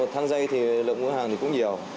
thang dây thì lượng mua hàng cũng nhiều